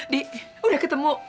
dik udah ketemu